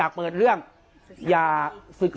การแก้เคล็ดบางอย่างแค่นั้นเอง